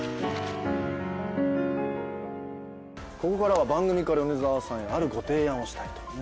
ここからは番組から米澤さんへあるご提案をしたいと。